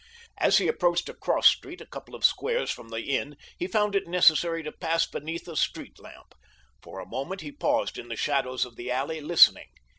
As he approached a cross street a couple of squares from the inn he found it necessary to pass beneath a street lamp. For a moment he paused in the shadows of the alley listening.